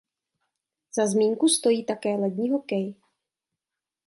Za zmínku stojí také lední hokej.